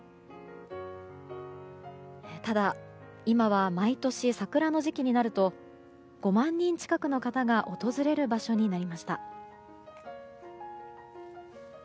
ただ、今は毎年桜の時期になると５万人近くの方が訪れる場所になりました。